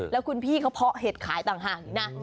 แล้วคุณพี่เขาเพาะเห็ดขายต่างหากอีกนะ